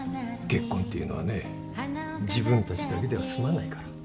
結婚っていうのはね自分たちだけでは済まないから。